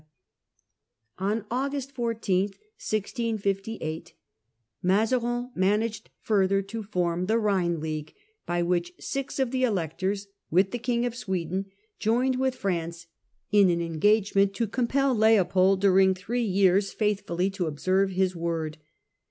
And on August 14 Phine Mazarin managed further to form the Rhine League, League, by which six of the electors, with July 1658. t k e 0 f Sweden, joined with France in an engagement to compel Leopold during three years faith* fully to observe his word.